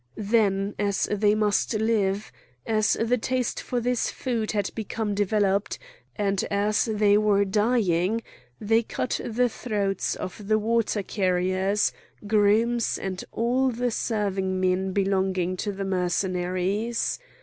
Then, as they must live, as the taste for this food had become developed, and as they were dying, they cut the throats of the water carriers, grooms, and all the serving men belonging to the Mercenaries.